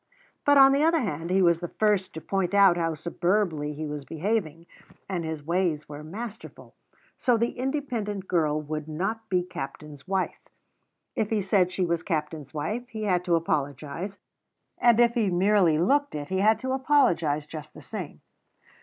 but, on the other hand, he was the first to point out how superbly he was behaving, and his ways were masterful, so the independent girl would not be captain's wife; if he said she was captain's wife he had to apologize, and if he merely looked it he had to apologize just the same.